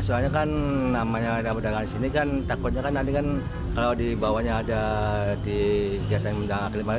soalnya kan namanya ada undangan di sini kan takutnya kan nanti kan kalau dibawanya ada di hikmatan undangan kelima lagi